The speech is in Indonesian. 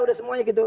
sudah semuanya gitu